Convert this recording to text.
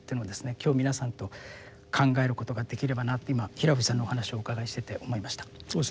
今日皆さんと考えることができればなと今平藤さんのお話をお伺いしてて思いました。